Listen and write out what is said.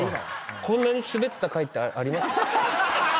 こんなにスベった回ってあります？